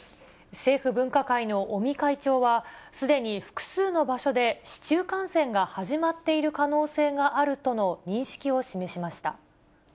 政府分科会の尾身会長は、すでに複数の場所で市中感染が始まっている可能性があるとの認識